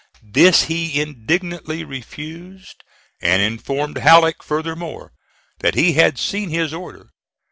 This he indignantly refused, and informed Halleck, furthermore, that he had seen his order.